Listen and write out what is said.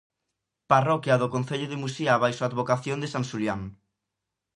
Parroquia do concello de Muxía baixo a advocación de san Xulián.